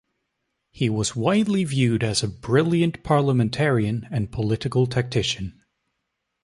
He was widely viewed as a brilliant parliamentarian and political tactician.